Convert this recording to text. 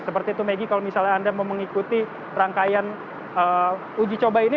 seperti itu megi kalau misalnya anda mau mengikuti rangkaian uji coba ini